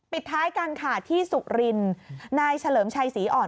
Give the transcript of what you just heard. ท้ายกันค่ะที่สุรินนายเฉลิมชัยศรีอ่อน